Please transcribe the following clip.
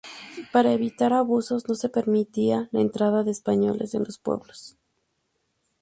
Para evitar abusos, no se permitía la entrada de españoles en los pueblos.